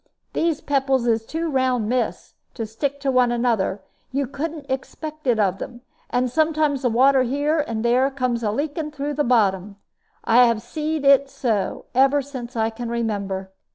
These pebbles is too round, miss, to stick to one another; you couldn't expect it of them; and sometimes the water here and there comes a leaking like through the bottom. I have seed it so, ever since I can remember."